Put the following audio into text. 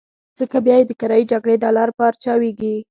ځکه بيا یې د کرايي جګړې ډالر پارچاوېږي.